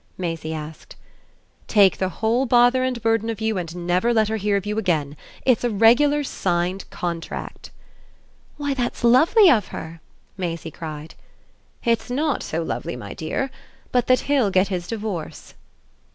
Maisie asked. "Take the whole bother and burden of you and never let her hear of you again. It's a regular signed contract." "Why that's lovely of her!" Maisie cried. "It's not so lovely, my dear, but that he'll get his divorce."